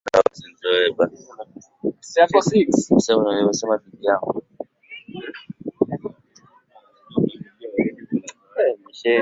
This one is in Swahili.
uwezo wake wa kubuni vitu mbalimbali kiasi cha watu kudiriki kusema alikuwa injini ya